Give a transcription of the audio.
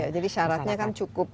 jadi syaratnya kan cukup